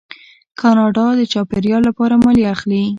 کاناډا د چاپیریال لپاره مالیه اخلي.